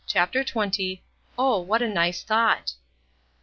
CHAPTER XX. "OH, WHAT A NICE THOUGHT!"